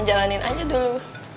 jalanin aja dulu